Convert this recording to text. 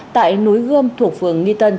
tại núi gươm thuộc phường nghi tân